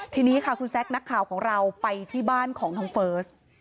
ทีนี้ค่ะคุณแซคนักข่าวของเราไปที่บ้านของน้องเฟิร์ส